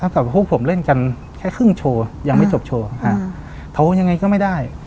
กับพวกผมเล่นกันแค่ครึ่งโชว์ยังไม่จบโชว์โทรยังไงก็ไม่ได้